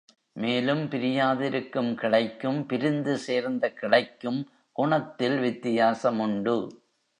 மேலும், பிரியாதிருக்கும் கிளைக்கும் பிரிந்து சேர்ந்த கிளைக்கும் குணத்தில் வித்தியாசமுண்டு.